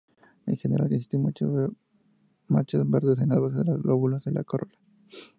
En general, existen manchas verdes en las bases de los lóbulos de la corola.